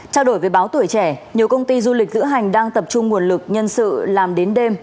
trao đổi với báo tuổi trẻ nhiều công ty du lịch lữ hành đang tập trung nguồn lực nhân sự làm đến đêm